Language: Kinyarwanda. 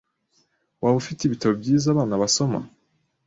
Waba ufite ibitabo byiza abana basoma?